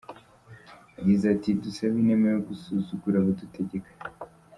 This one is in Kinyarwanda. Yagize, ati “Dusabe inema yo gusuzugura abadutegeka”.